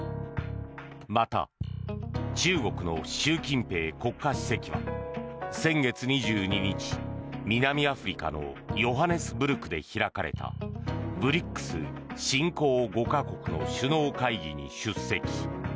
また、中国の習近平国家主席は先月２２日南アフリカのヨハネスブルクで開かれたＢＲＩＣＳ・新興５か国の首脳会議に出席。